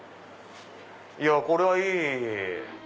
いやこれはいい！